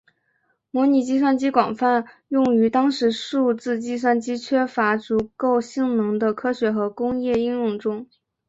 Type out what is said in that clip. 模拟计算机广泛用于当时数字计算机缺乏足够性能的科学和工业应用中。